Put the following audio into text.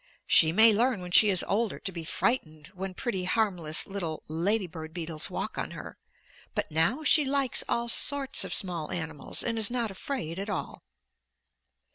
She may learn when she is older to be frightened when pretty, harmless, little lady bird beetles walk on her. But now she likes all sorts of small animals, and is not afraid at all.